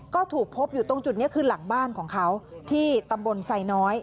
ก็ถูกพบอยู่ตรงจุดนี้คือหลังบ้านของเขาที่ตำบลไซน้อย